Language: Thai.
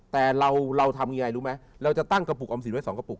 แต่เราทำยังไงรู้ไหมเราจะตั้งกระปุกออมสินไว้๒กระปุ